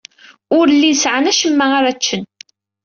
Ur llin sɛan acemma ara ččen.